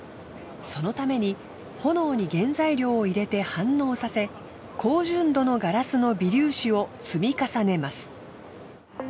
そのために炎に原材料を入れて反応させ高純度のガラスの微粒子を積み重ねます。